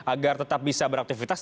agar tetap bisa beraktivitas